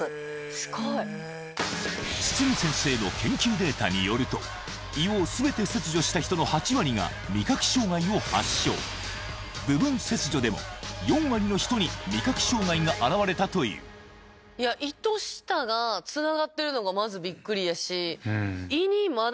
すごい！堤先生の研究データによると胃を全て切除した人の８割が味覚障害を発症部分切除でも４割の人に味覚障害が現れたという胃と舌がつながってるのがまずびっくりやし。